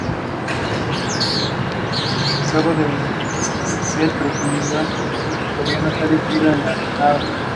El proceso de adquisición de conocimiento factual se denomina a veces "inversión cognitiva".